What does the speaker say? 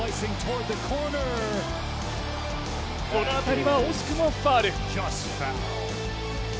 この当たりは惜しくもファウル。